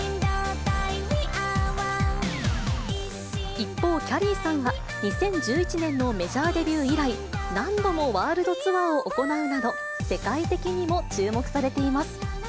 一方、きゃりーさんは２０１１年のメジャーデビュー以来、何度もワールドツアーを行うなど、世界的にも注目されています。